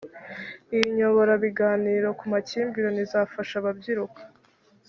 iyi nyoborabiganiro ku makimbirane izafasha ababyiruka